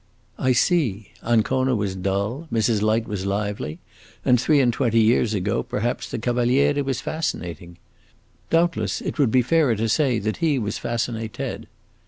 "I see. Ancona was dull, Mrs. Light was lively, and three and twenty years ago perhaps, the Cavaliere was fascinating. Doubtless it would be fairer to say that he was fascinated.